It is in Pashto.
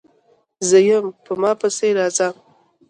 _زه يم، په ما پسې راځه!